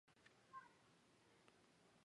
本站位于与交界的明治通地下。